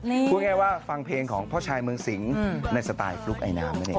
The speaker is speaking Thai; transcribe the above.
พูดง่ายว่าฟังเพลงของพ่อชายเมืองสิงในสไตล์ฟลุ๊กไอน้ำนั่นเอง